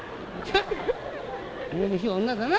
めめしい女だな